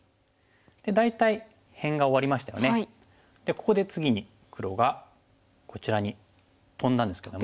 ここで次に黒がこちらにトンだんですけども。